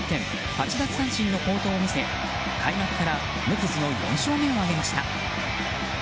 ８奪三振の好投を見せ、開幕から無傷の４勝目を挙げました。